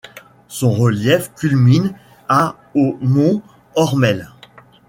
Son relief culmine à au mont Ormel.